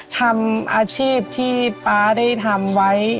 ทำอาชีพที่ป๊าได้ทำไว้